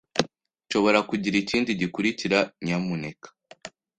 Nshobora kugira ikindi gikurikira, nyamuneka?